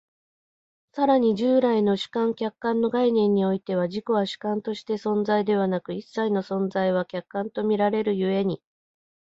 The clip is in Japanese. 更に従来の主観・客観の概念においては、自己は主観として存在でなく、一切の存在は客観と見られる故に、